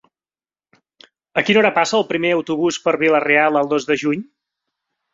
A quina hora passa el primer autobús per Vila-real el dos de juny?